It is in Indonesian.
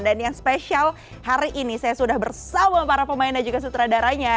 dan yang spesial hari ini saya sudah bersama para pemain dan juga sutradaranya